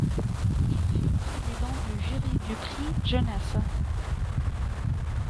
Il fut président du jury du Prix Jeunesse.